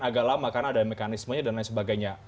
agak lama karena ada mekanismenya dan lain sebagainya